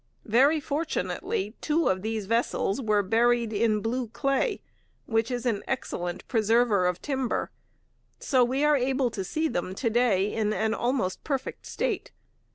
Very fortunately two of these vessels were buried in blue clay, which is an excellent preserver of timber; so we are able to see them to day in an almost perfect state.